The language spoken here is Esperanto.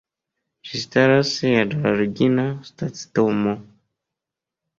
Ĝi staras je de la origina stacidomo.